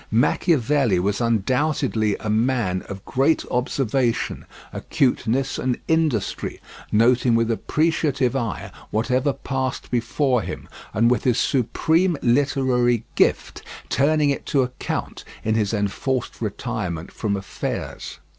Machiavelli was undoubtedly a man of great observation, acuteness, and industry; noting with appreciative eye whatever passed before him, and with his supreme literary gift turning it to account in his enforced retirement from affairs.